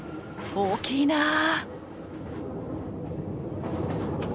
大きいな！